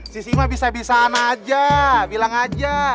sisi mah bisa bisaan aja bilang aja